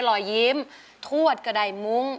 รอยยิ้มทวดกระดายมุ้ง